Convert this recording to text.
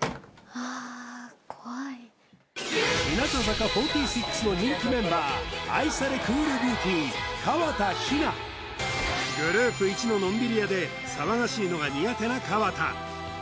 はあ怖い日向坂４６の人気メンバー愛されクールビューティーグループいちののんびり屋で騒がしいのが苦手な河田